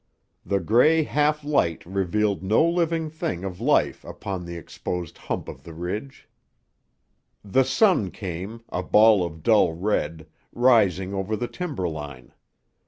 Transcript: The grey half light revealed no living thing of life upon the exposed hump of the ridge. The sun came, a ball of dull red, rising over the timber line.